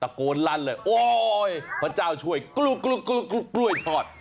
ตะโกนลั่นเลยโอ้ยพระเจ้าช่วยกล้วยทอด